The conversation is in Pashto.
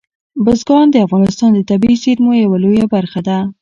بزګان د افغانستان د طبیعي زیرمو یوه لویه برخه ده.